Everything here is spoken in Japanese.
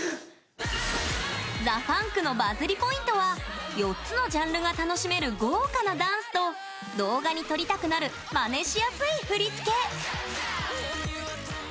ザ・ファンクのバズりＰＯＩＮＴは４つのジャンルが楽しめる豪華なダンスと動画に撮りたくなるマネしやすい振り付け！